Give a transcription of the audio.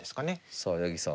さあ八木さん。